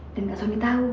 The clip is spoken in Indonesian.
dan gak sony tau ya